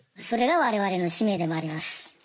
それが我々の使命でもあります。